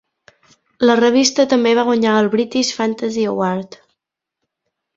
La revista també va guanyar el "British Fantasy Award".